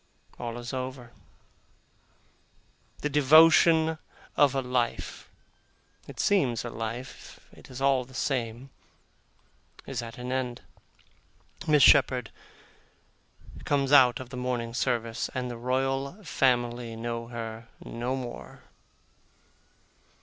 All is over. The devotion of a life it seems a life, it is all the same is at an end; Miss Shepherd comes out of the morning service, and the Royal Family know her no more.